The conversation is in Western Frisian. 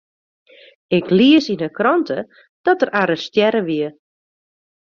Ik lies yn 'e krante dat er arrestearre wie.